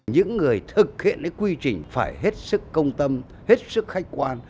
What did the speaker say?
những người thực hiện quy trình phải hết sức công tâm hết sức khách quan